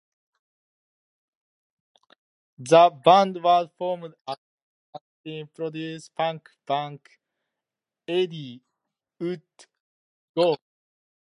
The band was formed after Justin's previous punk band Eddie Would Go.